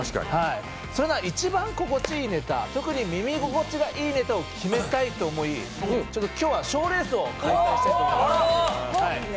それなら一番心地いいネタ、耳心地いいネタを決めたいと思い、今日は賞レースを開催したいと思います。